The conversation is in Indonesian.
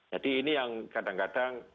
jadi ini yang kadang kadang